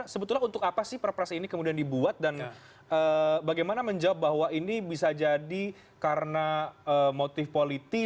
sebetulnya untuk apa sih perpres ini kemudian dibuat dan bagaimana menjawab bahwa ini bisa jadi karena motif politik